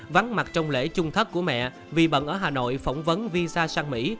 vắng mặt trong lễ chung thất của mẹ vì bận ở hà nội phỏng vấn visa sang mỹ